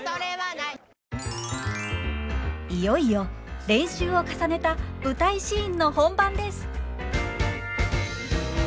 いよいよ練習を重ねた舞台シーンの本番です！